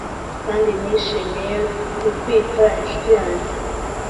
kandi nishimiye kukwita inshuti yanjye